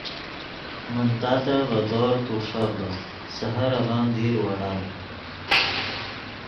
من تاتن ڨے دورز تورݰڨدو، سحر اڨن دیر ویڑم